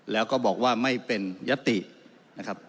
แล้วก็บอกว่าไม่เป็นยตินะครับ